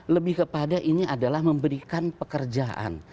lebih kepada ini adalah memberikan pekerjaan